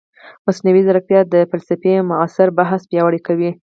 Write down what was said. مصنوعي ځیرکتیا د فلسفې معاصر بحث پیاوړی کوي.